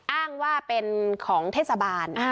อ้างว่าเป็นของเทศบาล